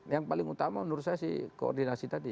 yang paling utama menurut saya sih koordinasi tadi